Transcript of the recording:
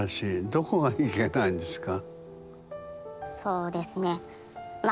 どこがいけないんですか？